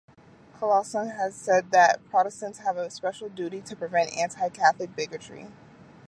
Colson has said that Protestants have a special duty to prevent anti-Catholic bigotry.